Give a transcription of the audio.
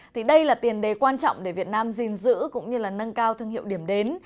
thì đây là tiền đề quan trọng để việt nam gìn giữ cũng như là nâng cao thương hiệu điểm đến